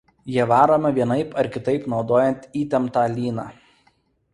Jie varomi vienaip ar kitaip naudojant įtemptą lyną.